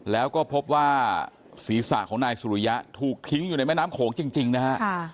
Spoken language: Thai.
แล้วก็พบว่าศีรษะของนายสุริยะถูกทิ้งอยู่ในแม่น้ำโขงจริงนะฮะ